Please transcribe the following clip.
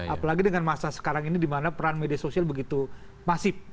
apalagi dengan masa sekarang ini dimana peran media sosial begitu masif